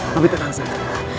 tapi tenang saja